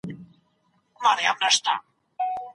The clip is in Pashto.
پکول د اوړي خولۍ نه ده.